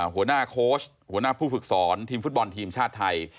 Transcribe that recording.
หัวหน้าโค้ชหัวหน้าผู้ฝึกสอนทีมฟุตบอลทีมชาติไทย